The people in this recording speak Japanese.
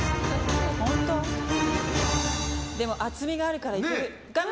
厚みがあるからいける。